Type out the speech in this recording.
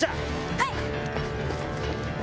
はい！